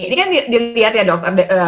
ini kan dilihat ya dokter